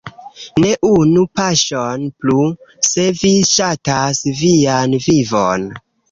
Ne unu paŝon plu, se vi ŝatas vian vivon!